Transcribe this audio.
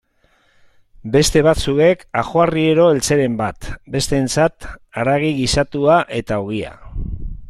Beste batzuek ajoarriero eltzeren bat, besteentzat haragi gisatua eta ogia.